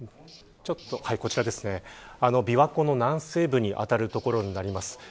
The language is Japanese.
琵琶湖の南西部に当たる所になります。